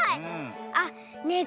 あっねえ